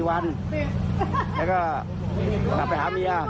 ชื่นได้เล่าหลายวันมาศอกกระจังได้๓๔วัน